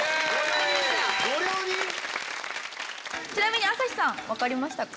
ちなみに朝日さんわかりましたか？